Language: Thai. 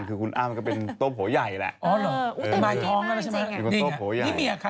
คือคุณอ้ามก็เป็นโต๊ะโผ่ใหญ่แหละ